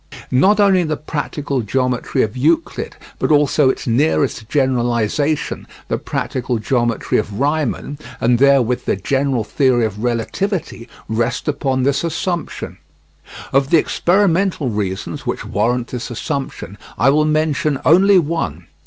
Not only the practical geometry of Euclid, but also its nearest generalisation, the practical geometry of Riemann, and therewith the general theory of relativity, rest upon this assumption. Of the experimental reasons which warrant this assumption I will mention only one.